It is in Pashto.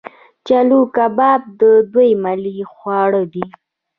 چلو کباب د دوی ملي خواړه دي.